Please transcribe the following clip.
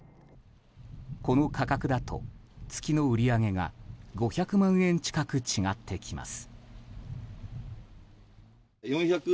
この価格だと月の売り上げが５００万円近く違ってきます。